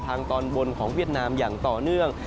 ตอนบนของเวียดนามอย่างต่อเนื่อง